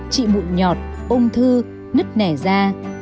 trị bụi nhọt ung thư nứt nẻ da